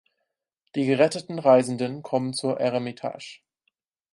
Die geretteten Reisenden kommen zur Eremitage.